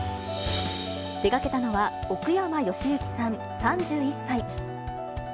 手がけたのは、奥山由之さん３１歳。